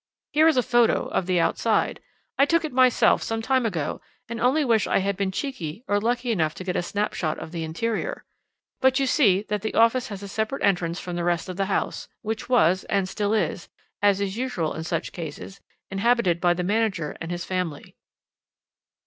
Here is a photo of the outside. I took it myself some time ago, and only wish I had been cheeky or lucky enough to get a snap shot of the interior. But you see that the office has a separate entrance from the rest of the house, which was, and still is, as is usual in such cases, inhabited by the manager and his family.